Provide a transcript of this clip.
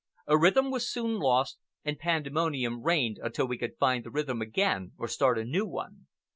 A rhythm was soon lost, and pandemonium reigned until we could find the rhythm again or start a new one.